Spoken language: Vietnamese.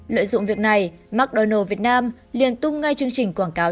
lợi dụng việc này mcdonald s việt nam liền tung ngay chương trình quảng cáo